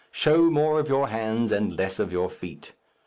Show more of your hands and less of your feet.